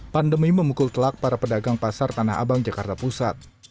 pandemi memukul telak para pedagang pasar tanah abang jakarta pusat